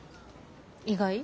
意外？